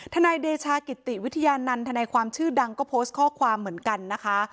นายเดชากิติวิทยานันทนายความชื่อดังก็โพสต์ข้อความเหมือนกันนะคะ